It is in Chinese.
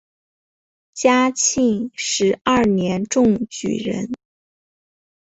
嘉庆十二年中举人。